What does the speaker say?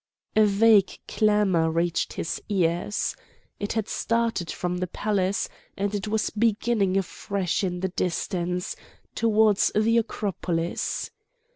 A vague clamour reached his ears. It had started from the palace, and it was beginning afresh in the distance, towards the Acropolis.